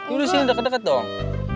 tuh sini deket deket dong